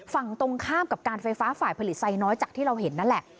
ฝั่งตรงข้ามกับการไฟฟ้าฝ่ายผลิตไซน้อยจากที่เราเห็นนั่นแหละ